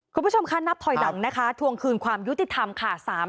คุณผู้ชมค่ะนับถอยหลังนะคะทวงคืนความยุติธรรมค่ะ